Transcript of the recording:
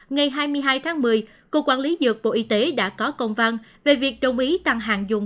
ngày hai mươi hai tháng một mươi cơ quan lý dược bộ y tế đã có công văn về việc đồng ý tăng hạn dùng